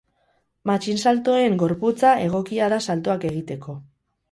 Matxinsaltoen gorputza egokia da saltoak egiteko.